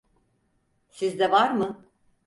Sizde var mı?